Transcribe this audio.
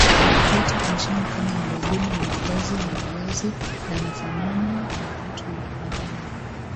yote nchini kama ni uduni wa mavazi na malazi yanafanana na watu wa vijijini